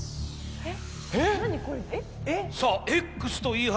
えっ！